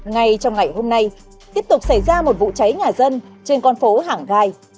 ngay trong ngày hôm nay tiếp tục xảy ra một vụ cháy nhà dân trên con phố hàng gai